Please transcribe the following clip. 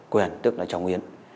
quyền tức là chồng yến